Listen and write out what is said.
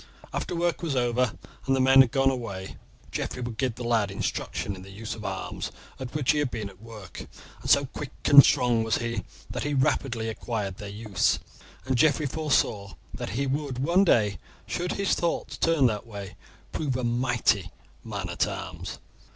After work was over and the men had gone away, Geoffrey would give the lad instructions in the use of the arms at which he had been at work, and so quick and strong was he that he rapidly acquired their use, and Geoffrey foresaw that he would one day, should his thoughts turn that way, prove a mighty man at arms.